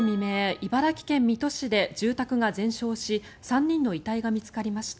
茨城県水戸市で住宅が全焼し３人の遺体が見つかりました。